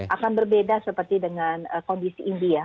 akan berbeda seperti dengan kondisi india